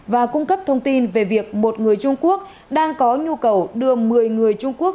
và cung cấp thông tin về việc một người trung quốc đang có nhu cầu đưa một mươi người trung quốc